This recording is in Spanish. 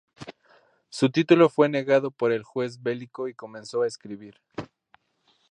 Su título fue negado por el Juez Veliko y comenzó a escribir.